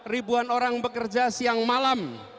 ribuan orang bekerja siang malam